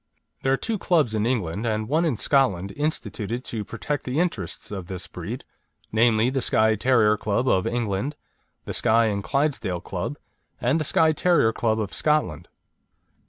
There are two clubs in England and one in Scotland instituted to protect the interests of this breed, namely, the Skye Terrier Club of England, the Skye and Clydesdale Club, and the Skye Terrier Club of Scotland.